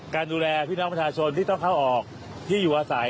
การดูแลพี่น้องประชาชนที่ต้องเข้าออกที่อยู่อาศัย